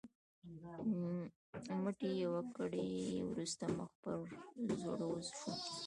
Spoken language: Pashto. مټې یوه ګړۍ وروسته مخ پر ځوړو شو.